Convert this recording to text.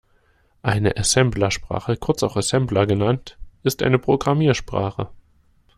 Eine Assemblersprache, kurz auch Assembler genannt, ist eine Programmiersprache.